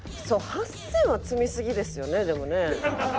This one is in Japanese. ８０００は積みすぎですよねでもね。